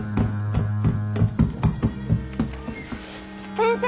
先生！